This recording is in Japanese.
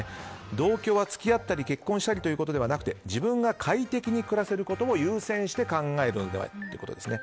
同居は付き合ったり結婚したりということではなくて自分が快適に暮らせることを優先して考えるのではということです。